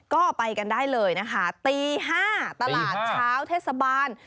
ก็ไปกันได้เลยนะคะตี๕ตลาดเช้าเทศบาล